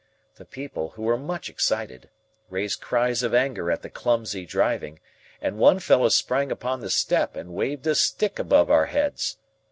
The people, who were much excited, raised cries of anger at the clumsy driving, and one fellow sprang upon the step and waved a stick above our heads.